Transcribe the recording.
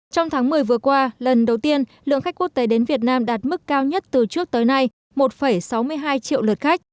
trong tháng một mươi vừa qua lần đầu tiên lượng khách quốc tế đến việt nam đạt mức cao nhất từ trước tới nay một sáu mươi hai triệu lượt khách